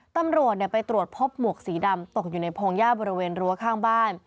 ตำรวจไปตรวจพบหมวกสีดำตกอยู่ในพงหญ้าบริเวณรั้วข้างบ้าน